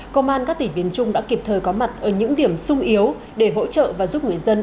công an các tỉ biên trung đã kịp thời có mặt ở những điểm sung yếu để hỗ trợ và giúp người dân